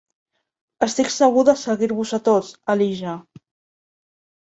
Estic segur de seguir-vos a tots, Elijah.